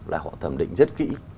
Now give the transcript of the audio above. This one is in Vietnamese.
là họ thẩm định rất kỹ